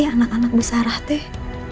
anak anak bu sarah